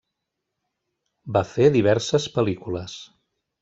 Va fer diverses pel·lícules.